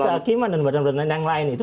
kehakiman dan badan badan lain yang lain itu